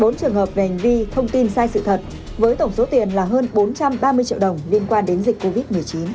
bốn trường hợp về hành vi thông tin sai sự thật với tổng số tiền là hơn bốn trăm ba mươi triệu đồng liên quan đến dịch covid một mươi chín